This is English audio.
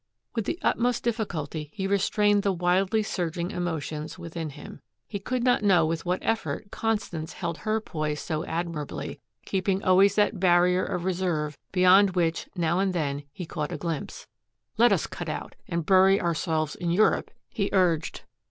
With the utmost difficulty he restrained the wildly surging emotions within him. He could not know with what effort Constance held her poise so admirably, keeping always that barrier of reserve beyond which now and then he caught a glimpse. "Let us cut out and bury ourselves in Europe," he urged.